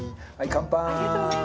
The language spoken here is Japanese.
乾杯。